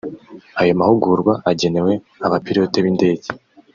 Ayo mahugurwa agenewe abapilote b’indege